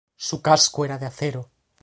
Su casco era de acero.